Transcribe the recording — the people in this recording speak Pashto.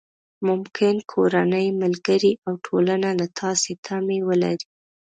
ممکن کورنۍ، ملګري او ټولنه له تاسې تمې ولري.